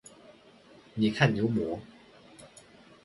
你看牛魔？